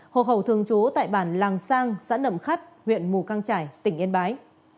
hồ khẩu thường chú tại bản làng sang xã nậm khắt huyện mù căng trải tỉnh yên bái